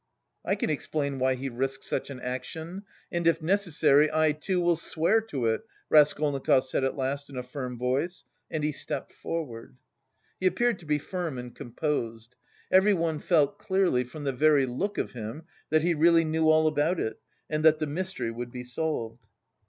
"I can explain why he risked such an action, and if necessary, I, too, will swear to it," Raskolnikov said at last in a firm voice, and he stepped forward. He appeared to be firm and composed. Everyone felt clearly, from the very look of him that he really knew about it and that the mystery would be solved.